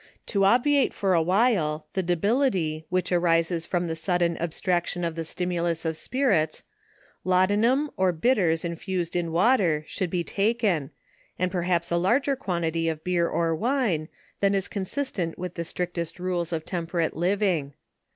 To obviate for a while, the debility which arises from the sudden ab straction of the stimulus of spirits, laudanum, or bitters in fused in water, should be taken, and perhaps a larger quan tity of beer or wine, than is consistent with the strict rules of temperate living.